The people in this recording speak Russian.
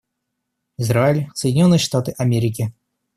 Израиль, Соединенные Штаты Америки.